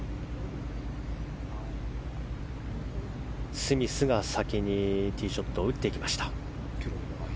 スミスが先にティーショットを打っていきました。